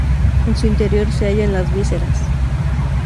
En su interior se hallan las vísceras.